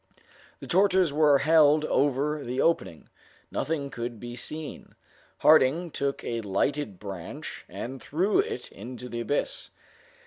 The torches were held over the opening: nothing could be seen. Harding took a lighted branch, and threw it into the abyss.